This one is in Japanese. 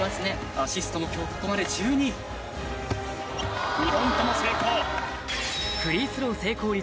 アシストも今日ここまで１２フリースロー成功率